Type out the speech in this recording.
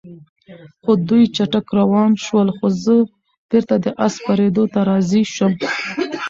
خو دوی چټک روان شول، څو زه بېرته د آس سپرېدو ته راضي شم.